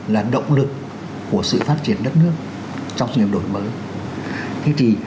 là động lực của sự phát triển đất nước trong sự nghiệp đổi mới